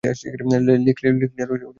লিক্লেয়ার কল দিয়েছেন।